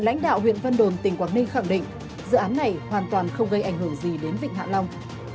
lãnh đạo huyện vân đồn tỉnh quảng ninh khẳng định dự án này hoàn toàn không gây ảnh hưởng gì đến vịnh hạ long